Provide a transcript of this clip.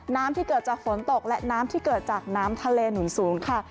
ที่เกิดจากฝนตกและน้ำที่เกิดจากน้ำทะเลหนุนสูงค่ะ